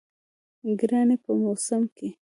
د ګرانۍ په موسم کې